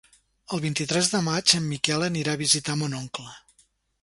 El vint-i-tres de maig en Miquel anirà a visitar mon oncle.